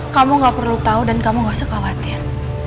kamu gak perlu tahu dan kamu gak usah khawatir